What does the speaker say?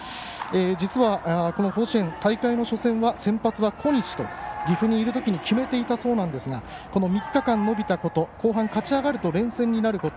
実はこの甲子園大会の初戦は先発は小西と岐阜にいるときに決めていたそうなんですが３日間延びたこと後半勝ち上がると連戦になること。